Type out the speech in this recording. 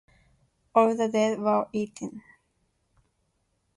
All the dead were eaten.